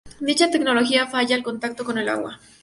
Dicha tecnología falla al contacto con el agua.